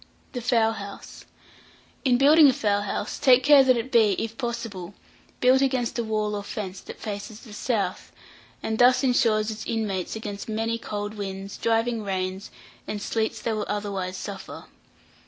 THE FOWL HOUSE. In building a fowl house, take care that it be, if possible, built against a wall or fence that faces the south, and thus insure its inmates against many cold winds, driving rains, and sleets they will otherwise suffer.